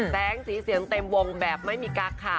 แสงสีเสียงเต็มวงแบบไม่มีกั๊กค่ะ